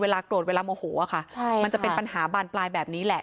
โกรธเวลาโมโหค่ะมันจะเป็นปัญหาบานปลายแบบนี้แหละ